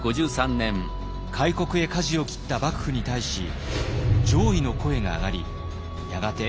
開国へかじを切った幕府に対し攘夷の声が上がりやがて